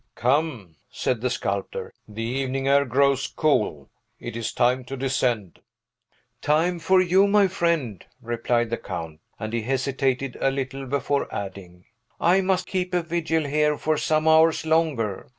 "Come," said the sculptor, "the evening air grows cool. It is time to descend." "Time for you, my friend," replied the Count; and he hesitated a little before adding, "I must keep a vigil here for some hours longer.